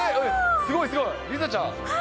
すごい、すごい、梨紗ちゃん。